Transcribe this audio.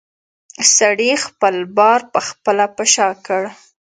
سړي خپل بار پخپله په شا کړ.